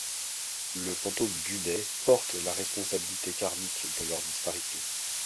Le fantôme d'Unai porte la responsabilité karmique de leur disparition.